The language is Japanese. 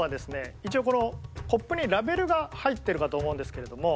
一応このコップにラベルが入ってるかと思うんですけれども。